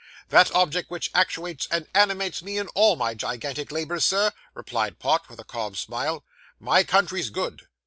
'That object which actuates and animates me in all my gigantic labours, Sir,' replied Pott, with a calm smile: 'my country's good.